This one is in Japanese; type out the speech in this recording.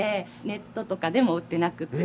ネットとかでも売ってなくて。